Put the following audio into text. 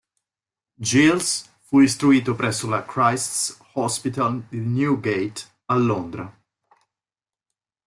Giles fu istruito presso la Christ's Hospital di Newgate, a Londra.